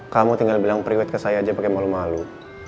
kamu tinggal bilang pre wed ke saya aja pake malu malu